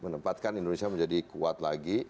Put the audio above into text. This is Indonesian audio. menempatkan indonesia menjadi kuat lagi